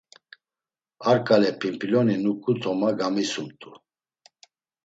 Ar ǩale pimpiloni nuǩu toma gamisumt̆u.